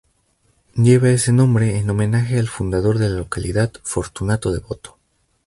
Lleva ese nombre en homenaje al fundador de la localidad, Fortunato Devoto.